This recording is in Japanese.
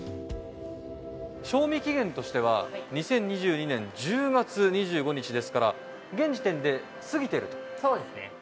賞味期限としては２０２２年１０月２５日ですから現時点で過ぎていると。